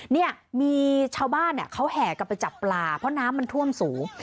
เนี่ยมีชาวบ้านเนี่ยเขาแห่กลับไปจับปลาเพราะน้ำมันท่วมสูง